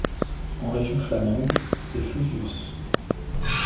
En Région flamande, c'est Fluvius.